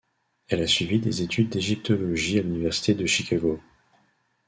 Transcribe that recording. Elle a suivi des études d'égyptologie à l'Université de Chicago.